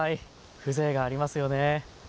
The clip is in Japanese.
風情がありますよね。